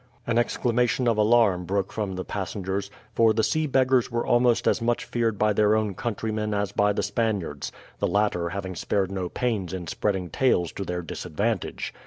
An exclamation of alarm broke from the passengers, for the sea beggars were almost as much feared by their own countrymen as by the Spaniards, the latter having spared no pains in spreading tales to their disadvantage.